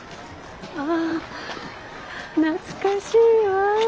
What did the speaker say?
ああ懐かしいわ。